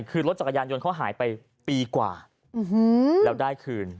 คือรถจักรยานยนต์เขาหายไปปีกว่าแล้วได้คืน